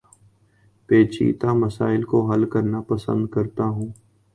پیچیدہ مسائل کو حل کرنا پسند کرتا ہوں